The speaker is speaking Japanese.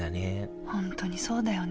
本当にそうだよね。